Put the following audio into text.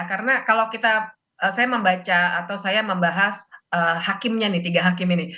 karena kalau saya membaca atau saya membahas hakimnya nih tiga hakim ini